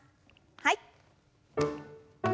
はい。